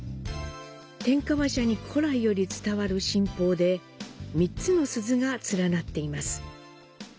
天河社に古来より伝わる神宝で、３つの鈴が連なっています。